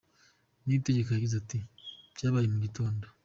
Niyitegeka yagize ati “Byabaye mu gitondo.